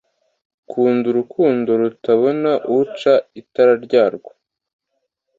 Kunda urukundo rutabona ucana itara ryarwo